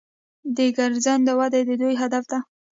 د ګرځندوی وده د دوی هدف دی.